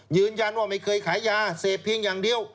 ยืนยันว่าไม่เคยขายยาเสพเพียงอย่างเดียว